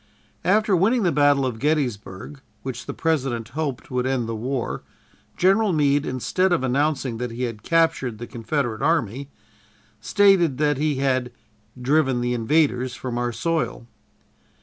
After winning the battle of Gettysburg, which the President hoped would end the war, General Meade, instead of announcing that he had captured the Confederate army, stated that he had "driven the invaders from our soil."